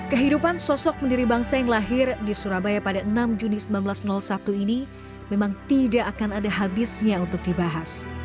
kehidupan sosok pendiri bangsa yang lahir di surabaya pada enam juni seribu sembilan ratus satu ini memang tidak akan ada habisnya untuk dibahas